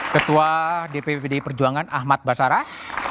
ketua dpp pdi perjuangan ahmad basarah